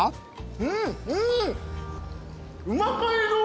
うんうん！